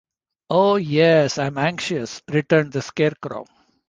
"Oh yes; I am anxious," returned the Scarecrow.